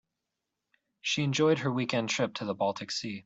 She enjoyed her weekend trip to the baltic sea.